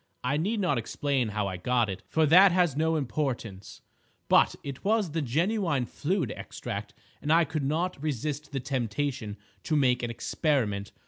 I need not explain how I got it, for that has no importance; but it was the genuine fluid extract, and I could not resist the temptation to make an experiment.